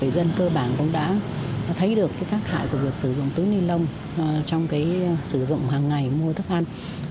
dân cơ bản cũng đã thấy được tác hại của việc sử dụng túi ni lông trong sử dụng hàng ngày mua thức ăn